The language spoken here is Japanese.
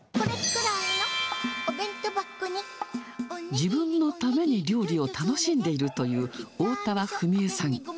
自分のために料理を楽しんでいるというおおたわ史絵さん。